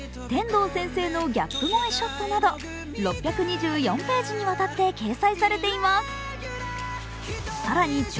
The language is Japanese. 天堂先生のギャップ萌えショットなど６２４ページにわたって掲載されています。